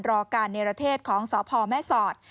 รอการเนรเทศของสพแม่สอด